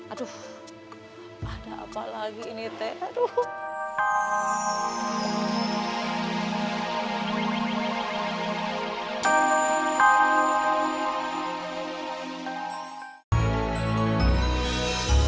aduh ada apa lagi ini teh aduh